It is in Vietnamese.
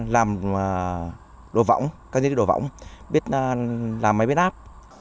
làm đồ võng các nhiệm vụ đồ võng biết làm máy bếp áp